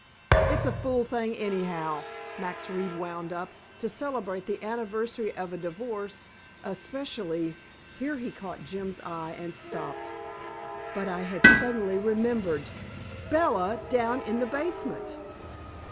"It's a fool thing anyhow," Max Reed wound up, "to celebrate the anniversary of a divorce especially " Here he caught Jim's eye and stopped. But I had suddenly remembered. BELLA DOWN IN THE BASEMENT!